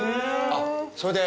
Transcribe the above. それで。